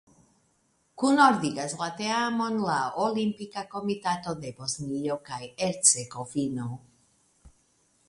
Kunordigas la teamon la Olimpika Komitato de Bosnio kaj Hercegovino.